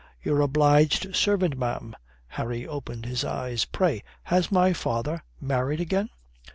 "Your obliged servant, ma'am." Harry opened his eyes. "Pray, has my father married again?"